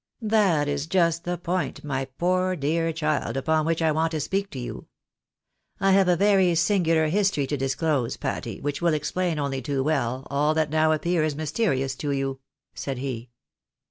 " That is just the point, my poor dear child, upon which I want to speak to you. I have a very singular history to disclose, Patty, which will explain, only too well, all that now appears mysterious to you," said he.